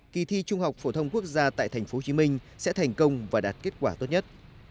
kỳ thi trung học phổ thông quốc gia tại tp hcm sẽ thành công và đạt kết quả tốt nhất